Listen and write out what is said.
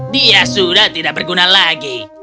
dia sudah tidak berguna lagi